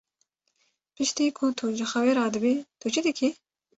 Piştî ku tu ji xewê radibî, tu çi dikî?